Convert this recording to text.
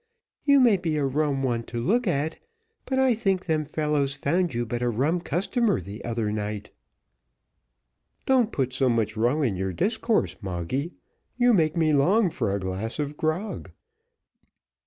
You may be a rum one to look at, but I think them fellows found you but a rum customer the other night." "Don't put so much rum in your discourse, Moggy, you make me long for a glass of grog."